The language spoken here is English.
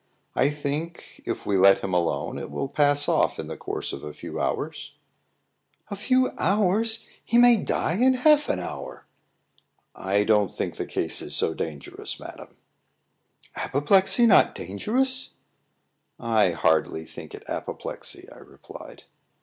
"I think, if we let him alone, it will pass off in the course of a few hours." "A few hours! He may die in half an hour." "I don't think the case is so dangerous, madam." "Apoplexy not dangerous?" "I hardly think it apoplexy," I replied.